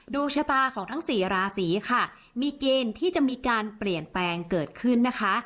ดวงชะตาของทั้งสี่ราศีค่ะมีเกณฑ์ที่จะมีการเปลี่ยนแปลงเกิดขึ้นนะคะ